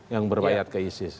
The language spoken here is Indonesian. yang berbahaya ke isis